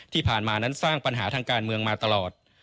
ที่ผ่านมานั้นสร้างปัญหาทางการเมืองมาตลอด